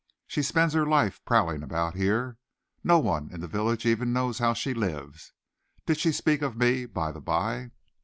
She spends her life prowling about here. No one in the village even knows how she lives. Did she speak of me, by the by?"